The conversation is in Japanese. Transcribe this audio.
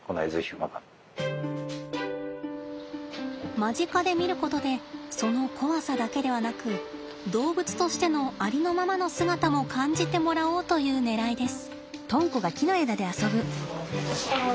間近で見ることでその怖さだけではなく動物としてのありのままの姿も感じてもらおうというねらいです。